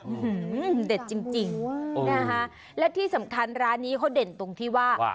หือเด็ดจริงจริงนะคะและที่สำคัญร้านนี้เขาเด่นตรงที่ว่า